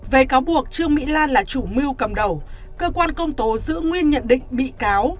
về cáo buộc trương mỹ lan là chủ mưu cầm đầu cơ quan công tố giữ nguyên nhận định bị cáo